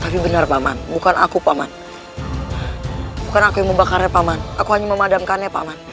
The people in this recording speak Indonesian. tapi benar paman bukan aku paman bukan aku yang membakarnya paman aku hanya memadamkannya paman